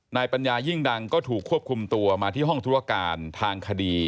ปัญญายิ่งดังก็ถูกควบคุมตัวมาที่ห้องธุรการทางคดี